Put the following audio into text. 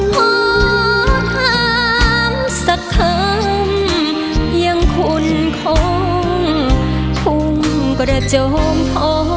พอถามสักคำยังคุ้นคงคงประจมพอ